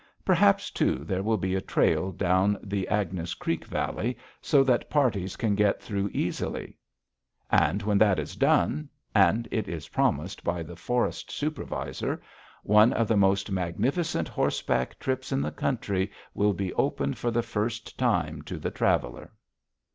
Perhaps, too, there will be a trail down the Agnes Creek Valley, so that parties can get through easily. When that is done, and it is promised by the Forest Supervisor, one of the most magnificent horseback trips in the country will be opened for the first time to the traveler.